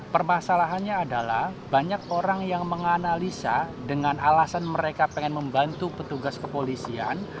permasalahannya adalah banyak orang yang menganalisa dengan alasan mereka pengen membantu petugas kepolisian